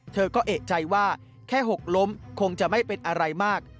เธอก็เอกใจว่าแค่หกล้มคงจะไม่เป็นอะไรมาก